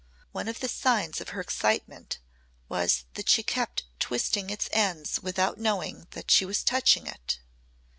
One of the signs of her excitement was that she kept twisting its ends without knowing that she was touching it.